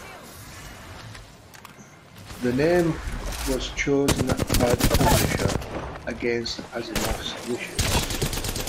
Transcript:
The name was chosen by the publisher, against Asimov's wishes.